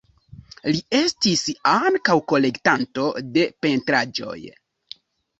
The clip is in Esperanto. Li estis ankaŭ kolektanto de pentraĵoj.